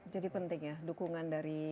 jadi penting ya dukungan dari